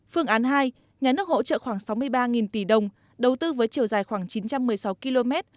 phương án hai nhà nước hỗ trợ khoảng sáu mươi ba tỷ đồng đầu tư với chiều dài khoảng chín trăm một mươi sáu km